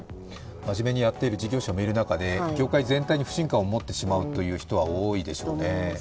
真面目にやっている事業者もいる中で、業界全体に不信感を持ってしまうという人は多いでしょうね。